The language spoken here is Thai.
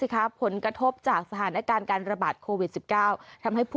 ครับผลกระทบจากสถานการณ์การระบาดโควิด๑๙ทำให้ผู้